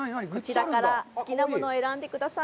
こちらから好きなものを選んでください。